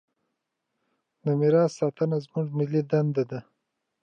د میراث ساتنه زموږ ملي دنده ده.